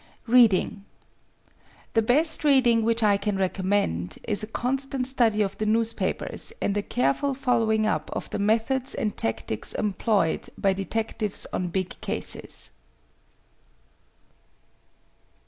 Reading The best reading which I can reconunend is a constant study of the newspapers and a careful following up of the methods and tactics employed by detectives on big cases.